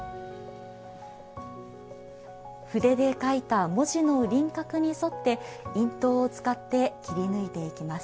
筆で書いた文字の輪郭に沿って印刀を使って切り抜いていきます。